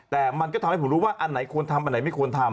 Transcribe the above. แต่มันก็ทำให้ผมรู้ว่าอันไหนควรทำอันไหนไม่ควรทำ